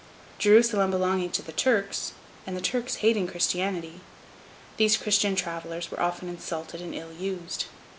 Jerusalem belonging to the Turks, and the Turks hating Christianity, these Christian travellers were often insulted and ill used.